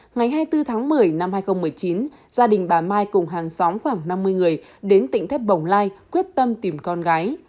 ngày hai mươi bốn tháng một mươi năm hai nghìn một mươi chín gia đình bà mai cùng hàng xóm khoảng năm mươi người đến tỉnh thép bồng lai quyết tâm tìm con gái